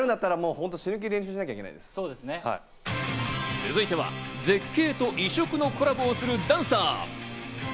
続いては、絶景と異色のコラボをするダンサー。